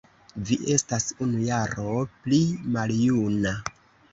Vi estas unu jaro pli maljuna